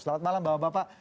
selamat malam bapak bapak